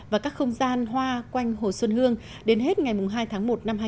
và các không gian hoa quanh hồ xuân hương đến hết ngày hai tháng một năm hai nghìn hai mươi